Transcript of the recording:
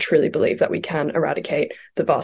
karena saya benar benar percaya bahwa kita bisa menghapus